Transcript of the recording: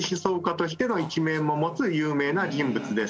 としての一面も持つ有名な人物です。